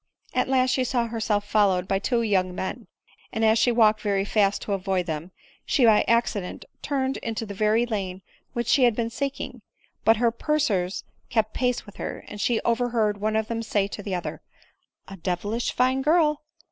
At last she saw herself followed by two young men ; and as she walked very fast to avoid them, she by acci dent turned into the very lane which she had been seek ing ; but her pursuers kept pace with her; and she over heard one of them say to the other, " A devilish fine girl